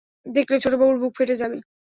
দেখলে ছোটবাবুর বুক ফেটে যাবে।